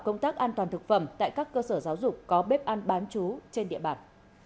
công tác an toàn thực phẩm tại các cơ sở giáo dục có bếp ăn bán chú trên địa bàn